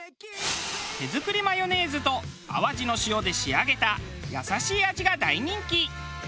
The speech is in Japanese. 手作りマヨネーズと淡路の塩で仕上げた優しい味が大人気。